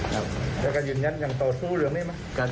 แล้วกันยืนยันยังต่อสู้หรือไม่มั้ย